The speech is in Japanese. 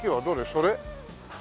それ？